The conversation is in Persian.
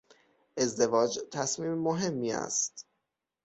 ازدواج تصمیم مهمی است.